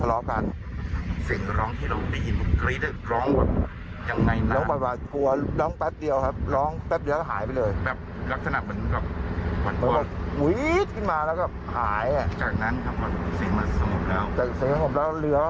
ร้องแบบร้องแป๊บเดียวครับร้องแป๊บเดียวแล้วก็หายไปเลย